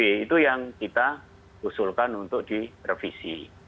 itu yang kita usulkan untuk direvisi